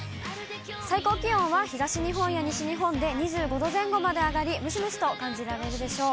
最高気温は東日本や西日本で２５度前後まで上がり、ムシムシと感じられるでしょう。